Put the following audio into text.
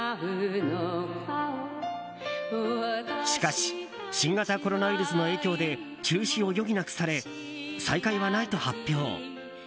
しかし新型コロナウイルスの影響で中止を余儀なくされ再開はないと発表。